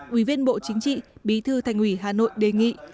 quý viên bộ chính trị bí thư thành ủy hà nội đề nghị